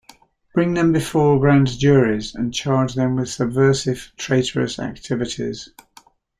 Bring them before grand juries and charge them with subversive, traitorous activities.